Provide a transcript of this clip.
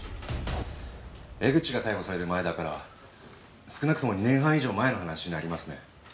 江口が逮捕される前だから少なくとも２年半以上前の話になりますね。